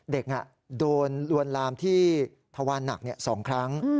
เด็กโดนลวนลามที่ทวานหนัก๒ครั้ง